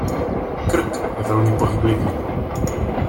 Krk je velmi pohyblivý.